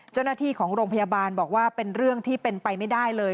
เจ้าหน้าที่ของโรงพยาบาลบอกว่าเป็นเรื่องที่เป็นไปไม่ได้เลย